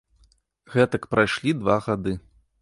Гэтак прайшлі два гады.